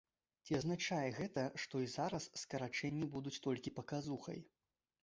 Ці азначае гэта, што і зараз скарачэнні будуць толькі паказухай?